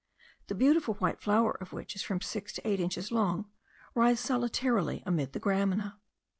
the beautiful white flower of which is from six to eight inches long, rise solitarily amid the gramina.